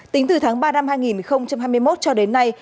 tính từ tháng ba năm hai nghìn hai mươi một cho đến nay